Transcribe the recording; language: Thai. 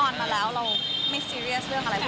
อ่อนมาแล้วเราไม่ซีเรียสเรื่องอะไรแบบนี้แล้ว